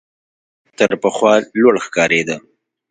تر پخوا لوړ ښکارېده .